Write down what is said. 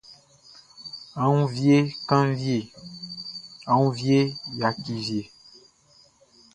A wun vie kanvie a woun vie yaki vie.